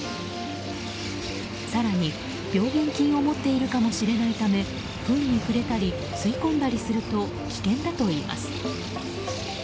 更に病原菌を持っているかもしれないためふんに触れたり吸い込んだりすると危険だといいます。